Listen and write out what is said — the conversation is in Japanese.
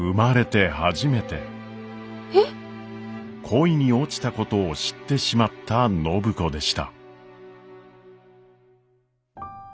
恋に落ちたことを知ってしまった暢子でした。